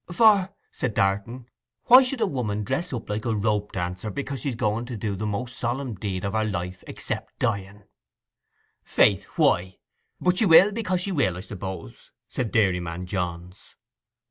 'For,' said Darton, 'why should a woman dress up like a rope dancer because she's going to do the most solemn deed of her life except dying?' 'Faith, why? But she will, because she will, I suppose,' said Dairyman Johns.